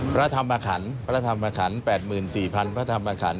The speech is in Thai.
พระธรรมขันต์๘๔๐๐๐พระธรรมขันต์